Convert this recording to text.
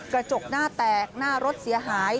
กระจกหน้าแตกหน้ารถเสียหาย